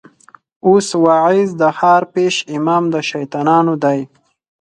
اوس واعظ د ښار پېش امام د شيطانانو دی